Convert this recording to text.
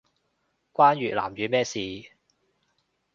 關越南語咩事